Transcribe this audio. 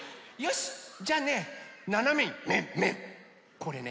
これね。